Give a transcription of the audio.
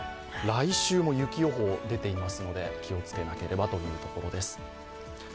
来週も雪予報出ていますので、気をつけなければというところです。